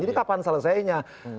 jadi kapan selesainya